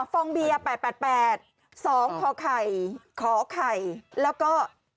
อ๋อฟองเบียร์๘๘๘๒ขอไข่ขอไข่แล้วก็๓๙๘๘